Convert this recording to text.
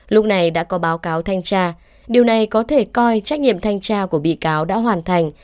lúc này đã có báo cáo thanh tra điều này có thể coi trách nhiệm thanh tra của bị cáo đã hoàn thành